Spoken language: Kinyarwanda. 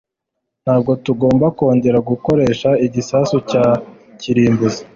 Ntabwo tugomba kongera gukoresha igisasu cya kirimbuzi.